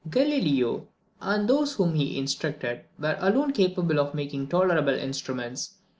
Galileo, and those whom he instructed, were alone capable of making tolerable instruments.